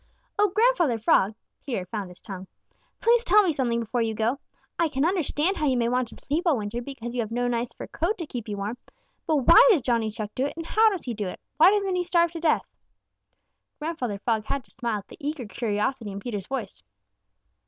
"Oh, Grandfather Frog," (Peter had found his tongue), "please tell me something before you go. I can understand how you may want to sleep all winter because you have no nice fur coat to keep you warm, but why does Johnny Chuck do it, and how does he do it? Why doesn't he starve to death?" Grandfather Frog had to smile at the eager curiosity in Peter's voice.